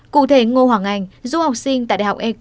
cụ thể ngô hoàng anh du học sinh tại đại học econ polytechnic